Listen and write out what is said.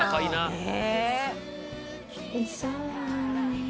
へえ！